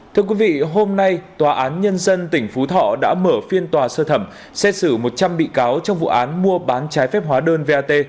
thưa quý vị hôm nay tòa án nhân dân tỉnh phú thọ đã mở phiên tòa sơ thẩm xét xử một trăm linh bị cáo trong vụ án mua bán trái phép hóa đơn vat